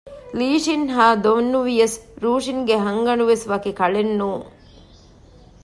ލީ ޝިން ހާ ދޮން ނުވިޔަސް ރޫޝިންގެ ހަންގަ ނޑުވެސް ވަކި ކަޅެއް ނޫން